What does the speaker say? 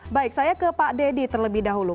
baik saya ke pak deddy terlebih dahulu